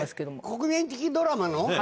国民的ドラマの？